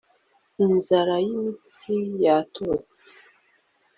inzara y'imitsi yatobotse